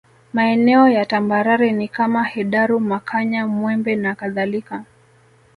Maeneo ya tambarare ni kama Hedaru Makanya Mwembe na kadhalika